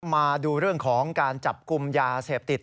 มาดูเรื่องของการจับกลุ่มยาเสพติด